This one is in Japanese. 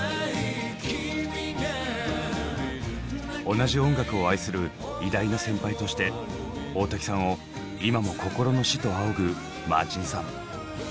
同じ音楽を愛する偉大な先輩として大滝さんを今も心の師と仰ぐマーチンさん。